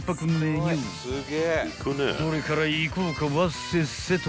［どれからいこうかわっせっせと］